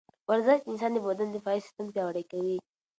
ورزش د انسان د بدن دفاعي سیستم پیاوړی کوي.